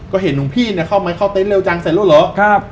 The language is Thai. ก็เห็นหลวงพี่เข้าเต็นท์เร็วจังเสร็จหรอ